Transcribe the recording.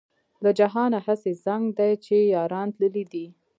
له جهانه هسې زنګ دی چې یاران تللي دي.